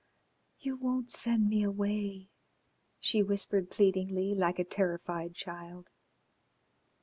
"You won't send me away?" she whispered pleadingly, like a terrified child.